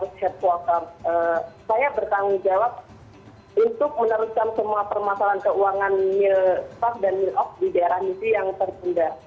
saya bertanggung jawab untuk meneruskan semua permasalahan keuangan milstab dan milop di daerah misi yang tercenda